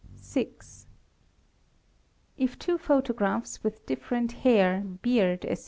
6. If two photographs with different hair, beard, etc.